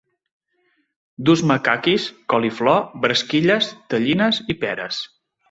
Dus-me caquis, coliflor, bresquilles, tellines i peres